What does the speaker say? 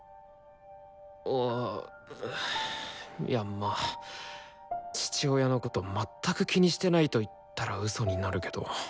あいやまあ父親のこと全く気にしてないと言ったらウソになるけど。